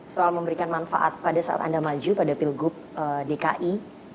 soal memberikan manfaat pada saat anda maju pada pilgub dki dua ribu tujuh belas